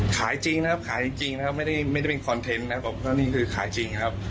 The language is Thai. ขายจริงนะครับไม่ได้เป็นคอนเทนต์นะครับ